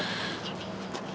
aku gak penasaran